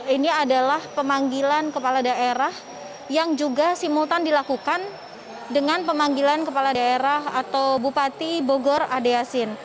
ini adalah pemanggilan kepala daerah yang juga simultan dilakukan dengan pemanggilan kepala daerah atau bupati bogor ade yasin